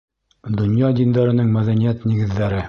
Донъя диндәренең мәҙәниәт нигеҙҙәре